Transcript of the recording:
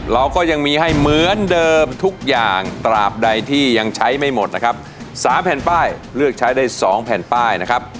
เราก็ยังมีให้เหมือนเดิมทุกอย่างตราบใดที่ยังใช้ไม่หมดนะครับสามแผ่นป้ายเลือกใช้ได้๒แผ่นป้ายนะครับ